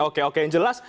oke oke yang jelas